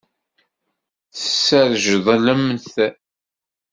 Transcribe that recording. Tesrejdlemt.